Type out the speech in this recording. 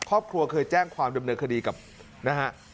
ครอบครัวเคยแจ้งความดำเนินคดีกับนะฮะ